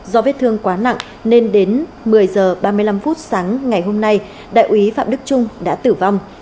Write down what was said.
do vết thương quá nặng nên đến một mươi h ba mươi năm sáng ngày hôm nay đại úy phạm đức trung đã tử vong